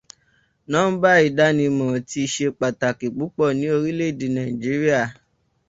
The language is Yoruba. Nọ́mbà ìdánimọ̀ ti ṣe pàtàkì púpọ̀ ní orílẹ̀-èdè Nàìjíríà.